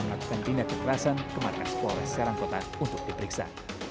melakukan tindak kekerasan ke markas polres serangkota untuk diperiksa